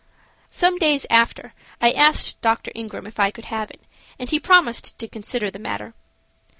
Some days after I asked Dr. Ingram if I could have it, and he promised to consider the matter.